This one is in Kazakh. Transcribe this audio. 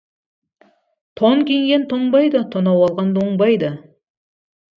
Тон киген тоңбайды, тонау алған оңбайды.